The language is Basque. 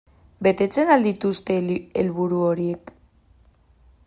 Betetzen al dituzte helburu horiek?